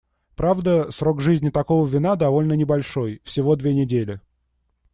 Правда, срок жизни такого вина довольно небольшой — всего две недели.